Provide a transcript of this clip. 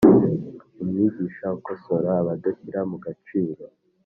Umwigisha ukosora abadashyira mu gaciro